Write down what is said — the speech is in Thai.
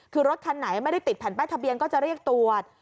คือรถคันไหนไม่ได้ติดแผ่นป้ายทะเบียนก็จะเรียกตรวจ